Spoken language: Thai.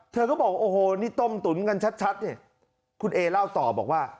เธอก็บอกโอ้โหนี่ต้มตุ๋นกันชัดเนี่ยคุณเอเล่าต่อบอกว่า